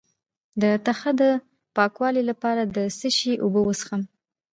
د تخه د پاکوالي لپاره د څه شي اوبه وڅښم؟